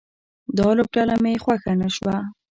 دا لوبډله مې خوښه نه شوه